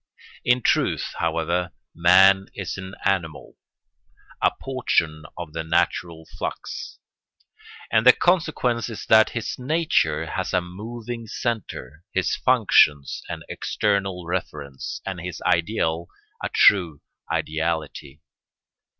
In truth, however, man is an animal, a portion of the natural flux; and the consequence is that his nature has a moving centre, his functions an external reference, and his ideal a true ideality.